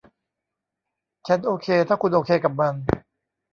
ฉันโอเคถ้าคุณโอเคกับมัน